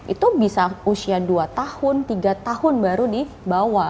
itu bisa usia dua tahun tiga tahun baru dibawa